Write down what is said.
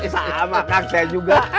sama kang saya juga